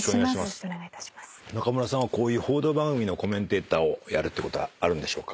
中村さんはこういう報道番組のコメンテーターをやるってことはあるんでしょうか？